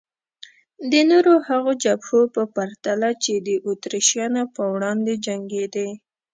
د نورو هغو جبهو په پرتله چې د اتریشیانو په وړاندې جنګېدې.